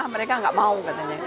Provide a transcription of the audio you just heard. mereka gak mau katanya